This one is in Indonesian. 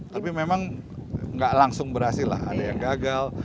tapi memang nggak langsung berhasil lah ada yang gagal